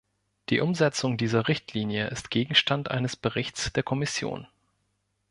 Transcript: Die Umsetzung dieser Richtlinie ist Gegenstand eines Berichts der Kommission.